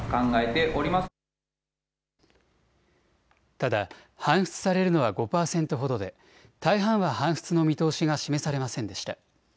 ただ搬出されるのは５％ほどで大半は搬出の見通しが示されませんでした。